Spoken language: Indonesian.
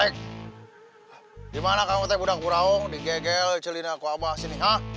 kalau abah menang raya kembali